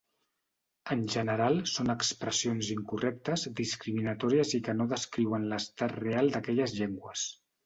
En general, són expressions incorrectes, discriminatòries i que no descriuen l’estat real d’aquelles llengües.